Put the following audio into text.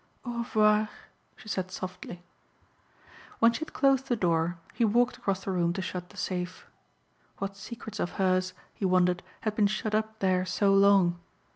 "Au revoir," she said softly. When she had closed the door he walked across the room to shut the safe. What secrets of hers, he wondered, had been shut up there so long.